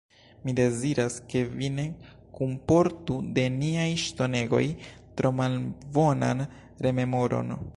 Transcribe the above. Mi deziras, ke vi ne kunportu de niaj ŝtonegoj tro malbonan rememoron.